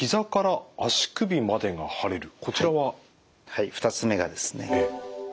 はい２つ目がですねはっ